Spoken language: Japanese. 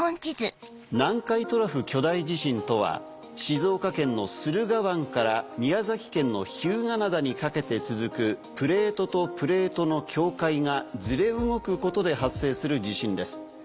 南海トラフ巨大地震とは静岡県の駿河湾から宮崎県の日向灘にかけて続くプレートとプレートの境界がずれ動くことで発生する地震です。